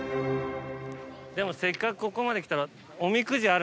せっかくここまで来たら。